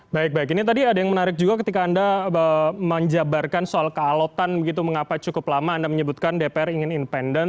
baik baik ini tadi ada yang menarik juga ketika anda menjabarkan soal kealotan begitu mengapa cukup lama anda menyebutkan dpr ingin independen